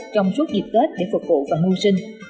trong suốt dịp tết để phục vụ và mưu sinh